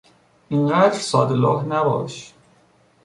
اینقدر ساده لوح نباش!